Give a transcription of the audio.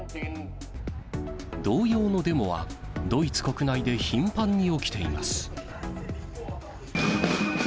同様のデモは、ドイツ国内で頻繁に起きています。